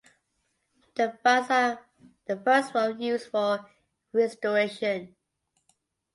The funds were used for restoration.